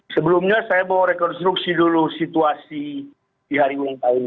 sebelumnya saya mau rekonstruksi dulu situasi di hari yang tadi itu